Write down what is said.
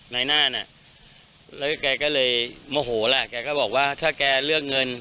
นายหน้าน่ะแล้วแกก็เลยโมโหแหละแกก็บอกว่าถ้าแกเลือกเงิน